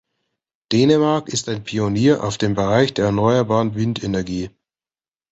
Dänemark ist ein Pionier auf dem Bereich der erneuerbaren Windenergie.